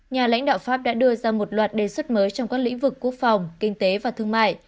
nhà lãnh đạo pháp đã đưa ra một loạt đề xuất mới trong các lĩnh vực quốc phòng kinh tế và thương mại